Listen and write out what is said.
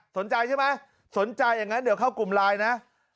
สนใจใช่ไหมสนใจอย่างนั้นเดี๋ยวเข้ากลุ่มไลน์นะ